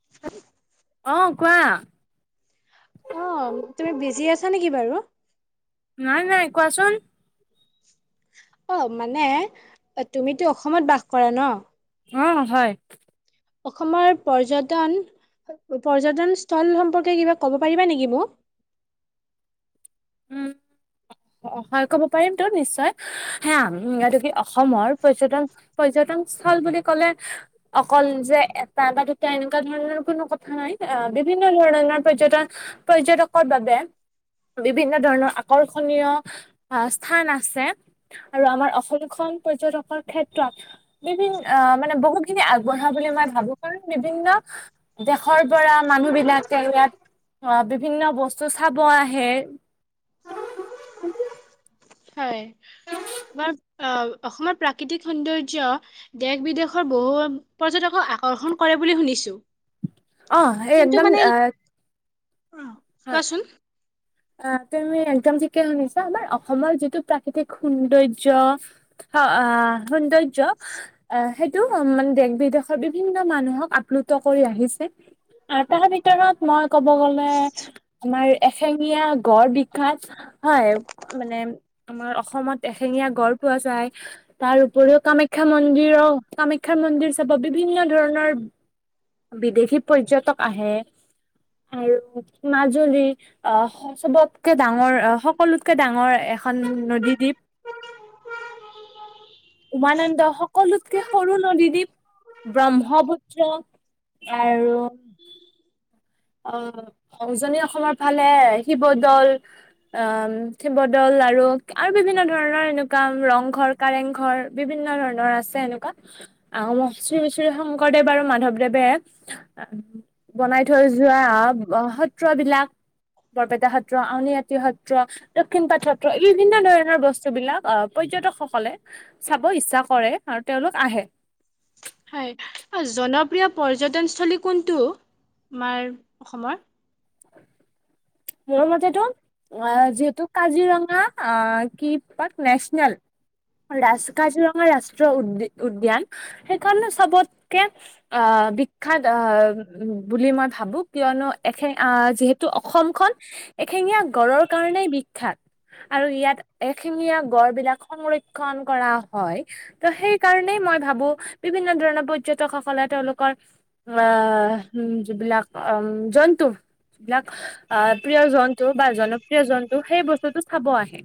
[inaudible] অ' কোৱা। অ' তুমি বিজি আছা নেকি বাৰু? নাই নাই কোৱাচোন। অ' মানে তুমিতো অসমত বাস কৰা ন'। অ' হয়। অসমৰ পৰ্যটন পৰ্যটন স্থল সম্পৰ্কে কিবা ক'ব পাৰিবা নেকি মোক। উম। অ' হয় ক'ব পাৰিমতো নিশ্চয়, হা সেয়া এইটো কি অসমৰ পৰ্যটন পৰ্যটন স্থল বুলি ক'লে, অকল যে এটা বা এনেকুৱা ধৰণৰ কোনো কথা নাই আহ, বিভিন্ন ধৰণৰ পৰ্যটন পৰ্যটকৰ বাবে, বিভিন্ন ধৰণৰ আকৰ্ষ ষণীয় অ' স্থান আছে। আৰু আমাৰ অসমখন পৰ্যটকৰ ক্ষেত্ৰত, বিভিন আহ, মানে বহুত খিনি আগবঢ়া বুলি মই ভাবো কাৰণ বিভিন্ন দেশৰ পৰা মানুহ বিলাকে ইয়াত অ' বিভিন্ন বস্তু চাব আহে। [inaudible] হয়, বাত অসমৰ প্ৰাকৃতিক সৌন্দৰ্য্য দেশ বিদেশৰ বহু পৰ্যটকক আকৰ্ষণ কৰে বুলি শুনিছোঁ। অ এই কিন্তু একদম মানে, আহ অ'। হয়। অ' তুমি একদম ঠিকে শুনিছা আমাৰ অসমৰ যিটো প্ৰাকৃতিক সৌন্দৰ্য্য। অ' আ, সৌন্দৰ্য্য অ' সেইট টো মানে দেশ বিদেশৰ বিভিন্ন মানুহক আপ্লুত কৰি আহিছে। আৰু তাৰ ভিতৰত মই ক'ব গ'লে আমাৰ এশেঙীয়া গড় বিখ্যাত, হয় মানে আমাৰ অসমত এশেঙীয়া গড় পোৱা যায়, তাৰ উপৰিও কামাখ্যা মন্দিৰৰ কামা [inaudible] মন্দিৰ চাব বিভিন্ন ধৰণৰ, বিদেশী পৰ্যটক আহে, [unintelligible] মাজুলী অ' চবতকে ডাঙৰ আহ, সক সকলোতকে ডাঙৰ এখন নদী দ্বীপ। উমানন্দ সকলোত কে সৰু নদীদ্বীপ, ব্ৰহ্মপুত্ৰ আৰু অ' উজনি অসমৰ ফালে শিৱদৌল। অ' শিব দৌল আৰু আৰু বিভিন্ন ধৰণৰ এনেকুৱা ৰংঘৰ, কাৰেংঘৰ। বিভিন্ন ধৰণৰ আছে এনেকুৱা, আৰু মই [unintelligible] শংকৰদেৱ আৰু মাধৱদেৱে, বনাই থৈ যোৱা [unintelligible] সত্ৰবিলাক বৰপেটা সত্ৰ, আউনীআটী সত্ৰ দক্ষিণপাট সত্ৰ এই বিভিন্ন ধৰণৰ বস্তু বিলাক আহ, পৰ্যটকসকলে চাব ইচ্ছা কৰে আৰু তেওঁলোক আহে। হয় অ', জনপ্ৰিয় পৰ্যটনস্থলী কোনটো আমাৰ অসমৰ? মোৰ মতেটো অ', যিহেতু কাজিৰঙা কি পাক নেচনেল ৰাজ, কাজিৰঙা ৰাষ্ট্ৰীয় উদ-উদ্যান সেইখনে চবতকে বিখ্যাত বুলি মই ভাবোঁ কিয়নো এ যিহেতু অসমখন এশিঙীয়া গঁড়ৰ কাৰণেই বিখ্যাত। আৰু ইয়াত এশিঙীয়া গড় বিলাক সংৰক্ষণ কৰা হয়। ত' সেই কাৰণেই মই ভাবো বিভিন্ন ধৰণৰ পৰ্যটকসকলে তেওঁলোকৰ অ', যিবিলাক জন্তু যিবিলাক আহ প্ৰিয় জন্তু বা জনপ্ৰিয় জন্তু সেই বস্তুটো চাব আহে।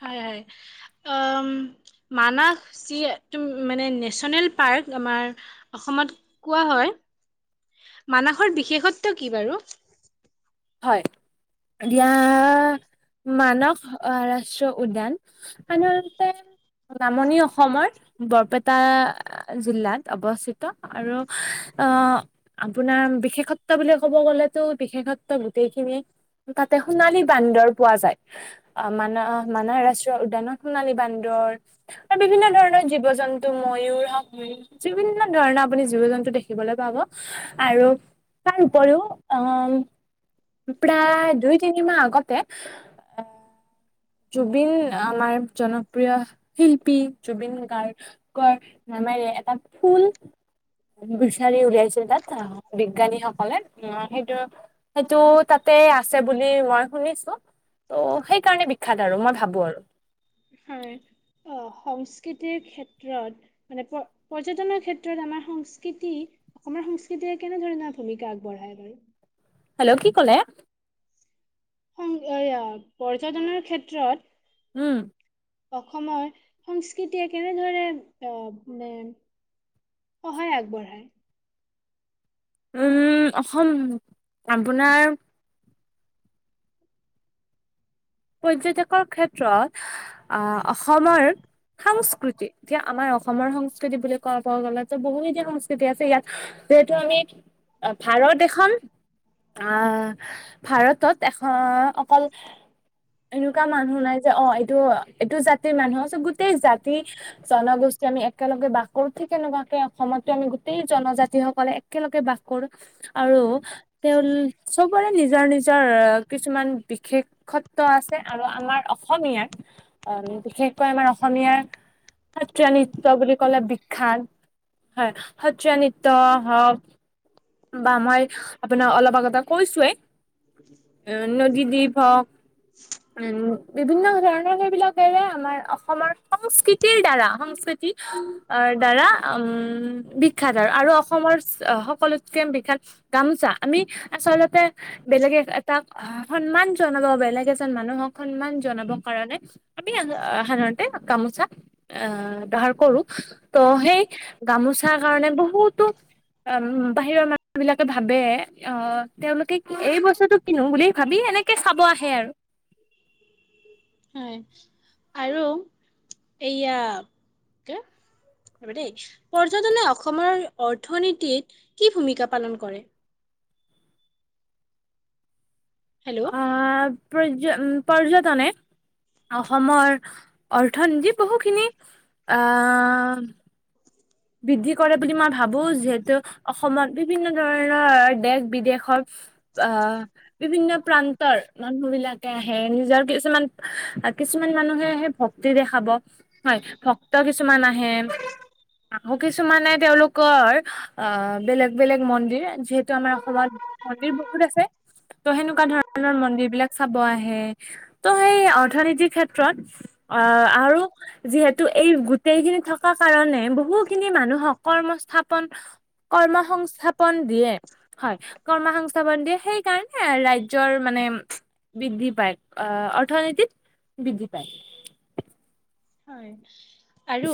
হয় হয়, উম মানাস যি এইটো মানে নেশ্যনেল পাৰ্ক আমাৰ অসমত কোৱা হয়, মানসৰ বিশেষত্ব কি বাৰু? হয়, দিয়া মানস ৰাষ্ট্ৰীয় উদ্যান সাধাৰণতে নামনি অসমৰ বৰপেটা জিলাত অৱস্থিত আৰু আহ আপোনাৰ বিশেষত্ব বুলি ক'ব গ'লেতো বিশেষত গোটেইখিনি তাতে সোণালী বান্দৰ পোৱা যায়। মান মানাহ ৰাষ্ট্ৰীয় উদ্যানত সোণালী বান্দৰ আৰু বিভিন্ন ধৰণৰ জীৱ জন্তু ময়ুৰ হওক বিভিন্ন ধৰণৰ আপুনি জীৱ জন্তু দেখিবলৈ পাব আৰু তাৰ উপৰিও অ', প্ৰায় দুই তিনি মাহ আগতে এ জুবিন আমাৰ জনপ্ৰিয় শিল্পী জুবিন গাৰ্গ [unintelligible] এটা ফুল বিচাৰি উলিয়াইছিল তাত বিজ্ঞানীসকলে উ সেইটো সেইটো তাতে আছে বুলি মই শুনিছো ত', সেইকাৰণে বিখ্যাত আৰু মই ভাবো আৰু। হয় অ', সংস্কৃতিৰ ক্ষেত্ৰত মানে প-পৰ্যটনৰ ক্ষেত্ৰত আমাৰ সংস্কৃতি অসমীয়া সংস্কৃতিয়ে কেনেধৰণৰ ভূমিকা আগবঢ়ায় বাৰু? হেল্ল' কি ক'লে? উম এয়া, পৰ্যটনৰ ক্ষেত্ৰত উম। অসমৰ সংস্কৃতিয়ে কেনেদৰে আহ, [unintelligible] সহায় আগবঢ়ায়। উম, অসম আপোনাৰ পৰ্যটকৰ ক্ষেত্ৰত আহ, অসমৰ সংস্কৃতিক [unintelligible] আমাৰ অসমৰ সংস্কৃতি বুলি কব গ'লেতো বহুখিনি সংস্কৃতি আছে ইয়াত যিহেতু আমি অ', ভাৰত এখন আহ, ভাৰতত এখন অকল এনেকুৱা মানুহ নাই যে অ', এইটো-এইটো জাতিৰ মানুহ আছে গোটেই জাতি জনগোষ্ঠী আমি একেলগে বাস কৰো ঠিক তেনেকুৱাকে অসমতো আমি গোটেই জনজাতি সকলে একেলগে বাস কৰো আৰু [unintelligible] চবৰে নিজৰ নিজৰ কিছুমান বিশেষত [unintelligible] আছে আৰু আমাৰ অসমীয়াৰ বিশেষকৈ আমাৰ অসমীয়াৰ সত্ৰীয়া নৃত্য বুলি ক'লে বিখ্যাত, হয় সত্ৰীয়া নৃত্য হওক বা মই আপোনাক অলপ আগতে কৈছোৱে, নদীদ্বীপ হওক, উম বিভিন্ন ধৰণৰ সেইবিলাকেৰে আমাৰ অসমৰ সংস্কৃতিৰ দ্বাৰা সংস্কৃতি অ দ্বাৰা উম বিখ্যাত আৰু, আৰু অসমৰ সকলোতকে বিখ্যাত গামোচা, আমি আচলতে বেলেগে এটাক সন্মান জনাব বেলেগ এজন মানুহক, সন্মান জনাব কাৰণে আমি সাধাৰণতে গামোচা আহ ব্যৱহাৰ কৰো। ত সেই গামোচাৰ কাৰণে বহুতো অম বাহিৰৰ মানুহ বিলাকে ভাবে অ তেওঁলোকে এই বস্তটো কিনোং বুলি ভাবি এনেকে চাব আহে আৰু। [unintelligible] হয়, আৰু এইয়া তে ক'ব দেই, পৰ্যটনে অসমৰ অৰ্থনীতিত কি ভূমিকা পালন কৰে? হেল্ল' অ পৰ্য পৰ্যটনে, অসমৰ অৰ্থনীতি বহুখিনি অ [unintelligible] বৃদ্ধি কৰে বুলি মই ভাবো, যিহেতু অসমত বিভিন্ন ধৰণৰ দেশ বিদেশৰ অ বিভিন্ন প্ৰান্তৰ মানুহ বিলাকে আহে, নিজৰ কিছুমান কিছুমান মানুহে আহে ভক্তি দেখাব, হয় ভক্ত কিছুমান আহে আকৌ কিছুমানে তেওঁলোকৰ অহ বেলেগ বেলেগ মন্দিৰ যিহেতু আমাৰ অসমত মন্দিৰ বহুত আছে। ত' সেনেকুৱা ধৰণৰ মন্দিৰ বিলাক চাব আহে, ত' সেই অৰ্থনীতিৰ ক্ষেত্ৰত অ আৰু যিহেতু এই গোটেই খিনি থকা কাৰণে বহু খিনি মানুহক কৰ্মস্থাপন কৰ্মসংস্থাপন দিয়ে, হয় কৰ্মসং স্থাপন দিয়ে সেইকাৰণে ৰাজ্যৰ মানে বৃদ্ধি পাই অহ অৰ্থনীতিত বৃদ্ধি পায়। হয় আৰু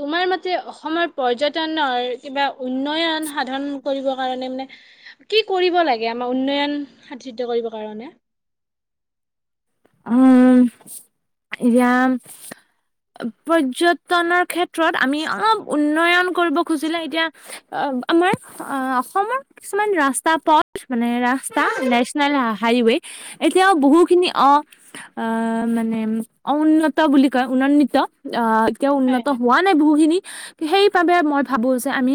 তোমাৰ মতে অসমৰ পৰ্যটনৰ কিবা উন্নয়ন সাধন কৰিব কাৰণে মানে কি কৰিব লাগে আমাৰ উন্নয়ন সাধিত কৰিব কাৰণে? উম, এতিয়া পৰ্যটনৰ ক্ষেত্ৰত আমি অলপ উন্নয়ন কৰিব খুজিলে এতিয়া, অ আমাৰ অ অসমৰ কিছুমান ৰাস্তা পথ মানে ৰাস্তা নেশ্যনেল হাইৱে এতিয়াও বহুখিনি অ অ মানে অউন্নত বুলি কয়, উনন্নিত আহ এতিয়া হয় উন্নত হয় হোৱাত মানে বহুখিনি সেইবাবে মই ভাবো যে আমি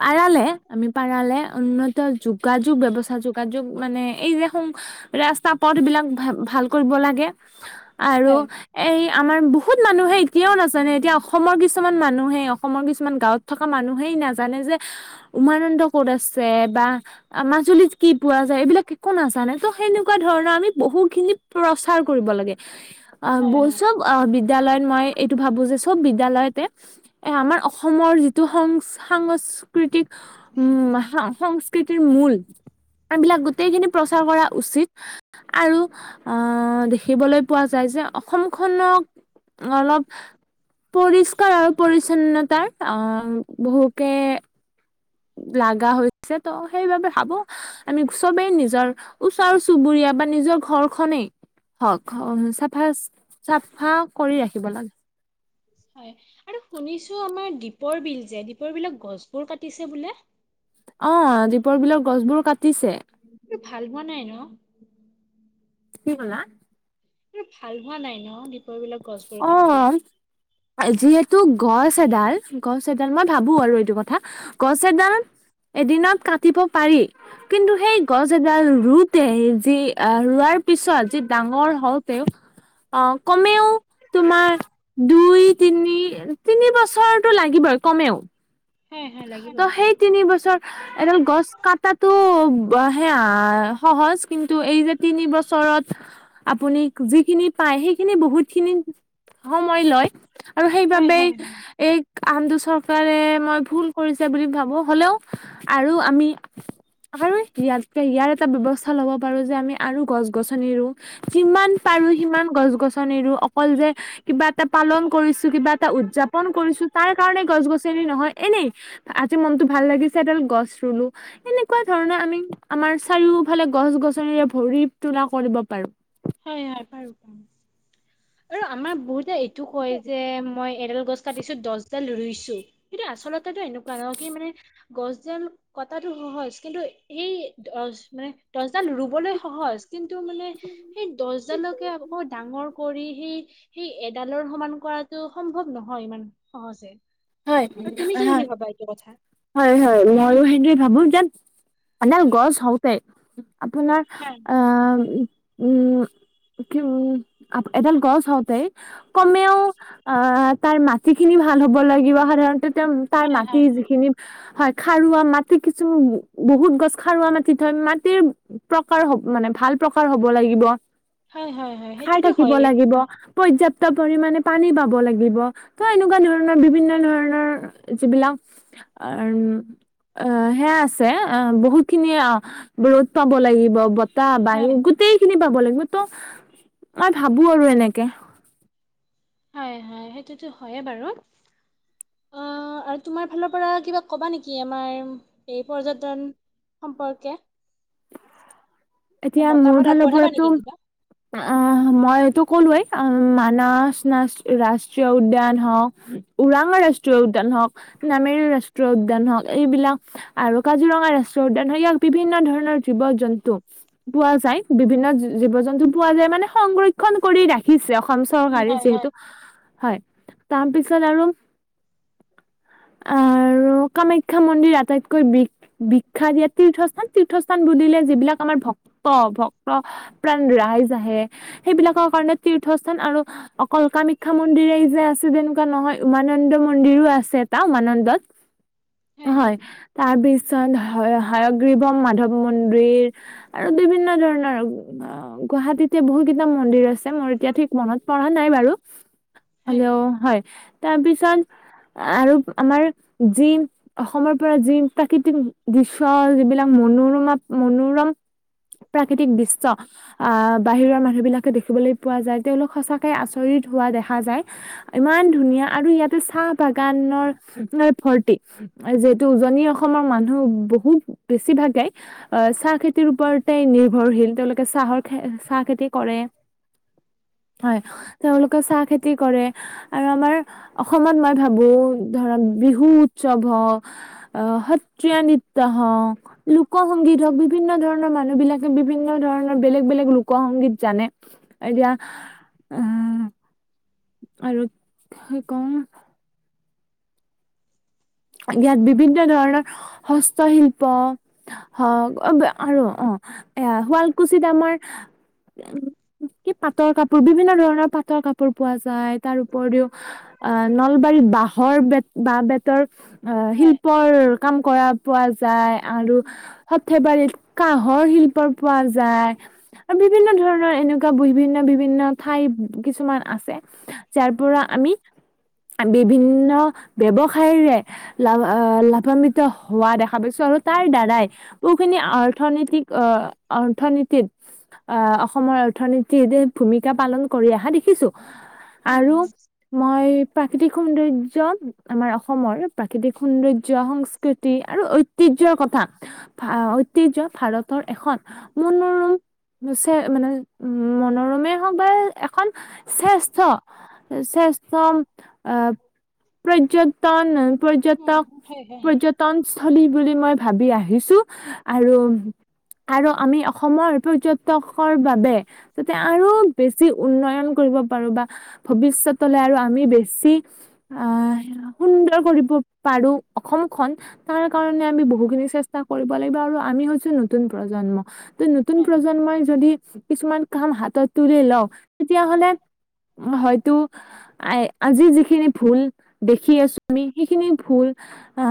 পাৰালে আমি পাৰালে উন্ন ত যোগাযোগ ব্যৱস্থা যোগাযোগ মানে এই দেখোন ৰাস্তা পথ বিলাক ভা ভাল কৰিব লাগে, আৰু হয় এই আমাৰ বহুত মানুহে এতিয়াও নাজানে এতিয়া অসমৰ কিছুমান মানুহে অসমৰ কিছুমান গাঁৱত থকা মানুহেই নাজানে যে উমানন্দ ক'ত আছে বা আ মাজুলীত কি পোৱা যায় এইবিলাক একো নাজানে ত' সেনেকুৱা ধৰণৰ আমি বহুখিনি প্ৰচাৰ কৰিব লাগে। আহ হয় হয় [unintelligible] অহ' বিদ্যালয়ত মই এইটো ভাবোঁ যে চব বিদ্যালয়তে এ আমাৰ অসমৰ যিটো সং সাংস্কৃতিক উম' সা সং কৃতিৰ মূল এইবিলাক গোটেইখিনি প্ৰচাৰ কৰা উচিত। আৰু আদেখিবলৈ পোৱা যায় যে অসমখনক অলপ পৰিষ্কাৰ আৰু পৰিচ্ছন্নতাৰ অহ বহুকে লাগা হৈছে ত' সেইবাবে ভাবোঁ আমি চবেই নিজৰ- ওচৰ চুবুৰীয়া বা নিজৰ ঘৰখনেই। হওঁক চাফা চাফা কৰি ৰাখিব লাগে। উ [inaudible] হয় আৰু শুনিছোঁ আমাৰ দীপৰ বিল যে, দীপৰ বিলৰ গছবোৰ কাটিছে বোলে। অহ' দীপৰ বিলৰ গছবোৰ কাটিছে। এইটো ভাল হোৱা নাই ন। কি কলা [unintelligible] ইহ ভাল হোৱা নাই নহ? অহ'। যিহেতু গছ এডাল গছ এডাল মই ভাবোঁ আৰু এইটো কথা গছ এডাল এদিনত কাটিব পাৰি কিন্তু সেই গছ এডাল ৰুওতেই যি আহ ৰোৱাৰ পিছত যি ডাঙৰ হওঁতেওঁ অহ'- তেওঁ তোমাৰ দুই তিনি তিনি বছৰটো লাগিবই কমেওঁ। হয় হয় লাগিব ত হয় সেইতিনি বছৰ এডাল গছ কাটাটো সেয়া সহজ কিন্তু এই যে তিনি বছৰত আপুনি যি খিনি পায় সেই খিনি বহুত খিনি সময় লয় আৰু হয় সেইবাবেই হয় এই কামটো চৰকাৰে মই ভুল কৰিছে বুলি ভাবোঁ হ'লেও! আৰু আমি [unintelligible] ইয়াতকে ইয়াৰ এটা ব্যৱস্থা ল'ব পাৰোঁ যে, আমি আৰু গছ-গছনি ৰুম। যিমান পাৰোঁ সিমান গছ-গছনি ৰুই অকল যে কিবা এটা পালন কৰিছোঁ কিবা এটা উদযাপন কৰিছোঁ তাৰ কাৰণে গছ- গছনি নহয়- এনেই আজি মনতটো ভাল লাগিছে এডাল গছ ৰুলোঁ। - সেনেকুৱা ধৰণৰ আমি আমাৰ চাৰিওফালে গছ -গছনিৰে ভৰি তোলা কৰিব পাৰো। হয়, হয় পাৰোঁ। আৰু আমাৰ বহুতে এইটো কয় যে মই এডাল গছ এডাল কাটিছো দছডাল ৰুইছোঁ কিন্তু আচলতেটো এনেকুৱা নহয় কি মানে গছডাল কটাটো সহজ কিন্তু সেই দছ মানে দছডাল ৰুবলৈ সহজ। কিন্তু মানে সেই দছডালকে আকৌ ডাঙৰ কৰি সি সিএডালৰ সমান কৰাটো সম্ভৱ নহয় ইমান সহজে। হয়। আৰু তুমি কি হয়, বুলি হয়। ভাবা এইটো কথা হয়, হয়, ময়ো সেইদৰে ভাবোঁ যেন মানে গছ হওঁতে, আপোনাৰ হয় আহ উম, কি উম এদাল গছ হওতে কমেও, আহ তাৰ মাটি খিনি ভাল হ'ব লাগ কিবা সাধাৰণতে তেওঁ, তাৰ হয় মাটি হয় হয় যিখিনি হয়, খাৰুৱা মাটি কিছু বহুত গছ খাৰুৱা মাটিত হয় মাটিৰ প্ৰকাৰ হ'ব মানে ভাল প্ৰকাৰ হব লাগিব, হয় হয় হয় খাৰ সেইটোতো থাকিব হয়ে লাগিব। পৰ্যাপ্ত পৰিমানে পানী পাব লাগিব, ত' এনেকুৱা ধৰণৰ বিভিন্ন ধৰণৰ যিবিলাক [unintelligible] সেয়া আছে বহুতখিনি ৰ'দ পাব লাগিব, বতাহ, বায়ু হয় গোটেইখিনি পাব লাগিব। ত' মই ভাবো আৰু এনেকে। হয় হয়, সেইটোতো হয়য়ে বাৰু। অঁ' আৰু তোমাৰ ফালৰ পৰা কিবা কবা নেকি আমাৰ এই পৰ্যটন- সম্পৰ্কে- এতিয়া মোৰ মতামত ফালৰ আগবঢ়াবা নেকি পৰাতো- কিবা? অঁ মইটো ক'লোৱেই মানচ নাচ ৰাজ- ষ্ট্ৰীয় উদ্যান হওক, ওৰাঙা ৰাষ্ট্ৰীয় উদ্যান হওক, নামেৰি ৰাষ্ট্ৰীয় উদ্যান হওক, - এইবিলাক আৰু কাজিৰঙা ৰাষ্ট্ৰীয় উদ্যান হওক, ইয়াক বিভিন্ন ধৰণৰ জীৱ জন্তু- পোৱা যায়, বিভিন্ন জীৱ জন্তু পোৱা যায় মানে সংৰক্ষণ- কৰি ৰাখিছে অসম চৰকাৰে যিহেতু হয়, তাৰপিছত আৰু- আৰু কামাখ্যা মন্দিৰ আটাইতকৈ বিক বিক- শিক্ষা দিয়াত তীৰ্থস্থান তীৰ্থস্থান বুুলিলে যিবিলাক আমাৰ ভক্ত ভক্ত- অপ্ৰাণ ৰাইজ আহে সেইবিলাকৰ কাৰণে, তীৰ্থস্থান আৰু- অকল কামাখ্যা মন্দিৰে যে আছে তেনেকুৱা নহয়, উমানন্দ মন্দিৰো আছে এটা উমানন্দত। [inaudible] হয়, তাৰ পিছত হায়গ্ৰীবম মাধৱ মন্দিৰ- আৰু বিভিন্ন ধৰণৰ, অঁ গুৱাহাটীতে বহু কেইটা মন্দিৰ আছে মোৰ এতিয়া ঠিক- মনত পৰা নাই বাৰু। হলেও হয়, তাৰপিছত আৰু আমাৰ যি- অসমৰ পৰা যি প্ৰাকৃতিক দৃশ্য যিবিলাক মনোৰমা মনোৰম- প্ৰাকৃতিক দৃশ্য আঁহ বাহিৰৰ মানুহ বিলাকে দেখিবলৈ- পোৱা যায়, তেওঁলোক সঁচাকে আচৰিত হোৱা দেখা যায়। ইমান ধুনীয়া আৰু ইয়াতে চাহ বাগানৰ ৰে ভৰ্তি। যিহেতু উজনি অসমৰ মানুহ বহুত বেছিভাগ যায় অহ চাহ খেত- ওপৰতে নিৰ্ভৰশীল তেওঁলোকে চাহৰ খে চাহ খেতি কৰে, হয়। তেওঁলোকে চাহ খেতি কৰে। আৰু আমাৰ অসমত মই ভাবো ধৰক বিহু উৎসৱ হওক, - অ' সত্ৰীয়া নিত্ৰ হওক, লোক সংগীত হওক, বিভ- বিভিন্ন ধৰণৰ মানুহ বিলাকে বিভিন্ন ধৰণৰ বেলেগ বেলেগ লোক সংগীত জানে। এতিয়া আহ আৰু কি কওঁ? ইয়াত বিভিন্ন ধৰণৰ হস্তশিল্প- হওক, অ আৰু অঁ এয়া শুৱালকুছিত আমাৰ- কি পাটৰ কাপোৰ, বিভিন্ন ধৰণৰ পাটৰ কাপ- পোৰ পোৱা যায়, তাৰ উপৰিও আহ নলবাৰীত বাঁহৰ বেত বাঁহ বেতৰ- অঁ' শিল্পৰ কাম কৰা পোৱা যায় আৰু- থেবাৰীত কাঁহৰ শিল্পৰ পোৱা যায়। আৰু বিভিন্ন ধৰণৰ এনেকুৱা বিভিন্ন বিভিন্ন ঠাই কিছুমান আছে। যাৰ পৰা আমি বিভিন্ন ব্যৱসায়ৰে- লাভ আহ লাভান্বিত হোৱা দেখা পাইছো আৰু তাৰ দ্বাৰাই- বহুখিনি অৰ্থনীতিক অহ অৰ্থনীতিত- আহ অসমৰ অৰ্থনীতিৰে ভূমিকা পালন কৰি আহা দেখিছো। আৰু মই প্ৰাকৃতিক সৌন্দৰ্য আমাৰ অসমৰ- প্ৰাকৃতিক সৌন্দৰ্য, সংস্কৃতি আৰু ঐতিহ্যৰ কথা- ভা ঐতিহ্য ভাৰতৰ এখন- মনোৰুম নোছে মানে, উম' মনৰুমে- এখন শ্ৰেষ্ঠ, শ্ৰেষ্ঠ। আহ, পৰ্যন্ত, পৰ্যটক পৰ্যটনস্থলী বুলি মই ভাবি আহিছো, আৰু আৰু আমি অসমৰ পৰ্যটষৰ বাবে যাতে, আৰু বেছি উন্নয়ন কৰিব পাৰো বা ভৱিষ্যতলৈ আৰু আমি বেছি আহ, সুন্দৰ কৰিব পাৰো অসমখন। তাৰ কাৰণে আমি বহুখিনি চেষ্টা কৰিব লাগিব। আৰু আমি হৈছো নতুন প্ৰজন্ম। নতুন প্ৰজন্মই যদি কিছুমান কাম হাতত তুলি লওঁক, তেতিয়াহলে হয়তো আজি যিখিনি ভুল দেখি আছো, আমি সেইখিনি ভুল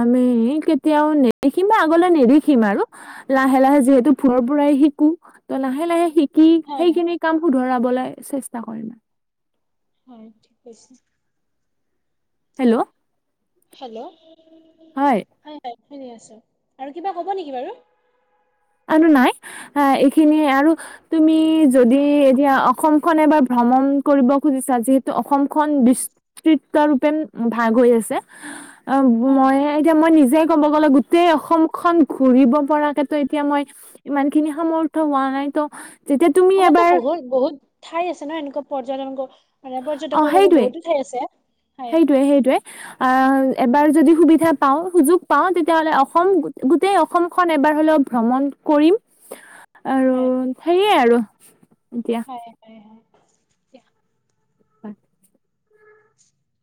আমি কেতিয়াও নেদেখিম বা আগলৈ নেদেখিম আৰু। লাহে- লাহে যিহেতু ভুলৰ পৰাই শিকো। ত লাহে লাহে শিকি সেইখিনি কাম শুদ্ধৰাবলৈ চেষ্টা কৰিম আৰু। হয়, ঠিক কৈছা। হেল্ল'। হেল্ল'। হয়। হয়, শুনি আছো। আৰু কিবা ক'ব নেকি বাৰু? আৰু নাই, হ এইখিনিয়ে আৰু তুমি যদি এতিয়া অসম অসমখন এবাৰ ভ্ৰমণ কৰিব খুজিছা, যিহেতু অসমখন হয় দৃষ্ট্ৰিক কমপেন ভাগ হৈ আছে। অ, মই এতিয়া মই নিজে ক'ব গ'লে গোটেই অসমখন ঘূৰিব পৰাকে তই মই ইমান খিনি সামৰ্থ হোৱা নাই তো অসমতো বহুত- বহুত ঠাই আছে ন, এনেকুৱা পৰ্যটন অ পৰ্যটকৰ বাবে সেইটোৱে বহুতো ঠাই আছে, হয়। সেইটোৱে সেইটোৱে। আহ, এবাৰ যদি সুবিধা পাওঁ, সুযোগ পাওঁ তেতিয়াহ'লে অসম গোটেই অসমখন এবাৰ হলেও ভ্ৰমণ কৰিম। আৰু, হয় সেইয়ে আৰু দিয়া। [unintelligible] [inaudible] [inaudible]